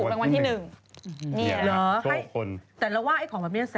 แต่เราว่าเนี้ย